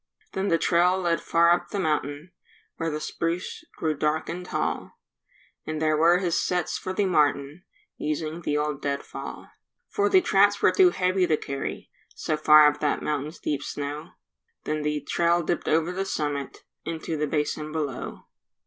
Then the trail led far up the mountain Where the spruce grew dark and tall; And there were his sets for the martin, Using the old dead fall: For the traps were too heavy to carry So far up that mountain's deep snow; Then the trail dipped over the summit And into the basin below.